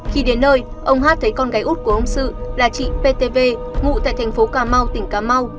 khi đến nơi ông hát thấy con gái út của ông sự là chị ptv ngụ tại thành phố cà mau tỉnh cà mau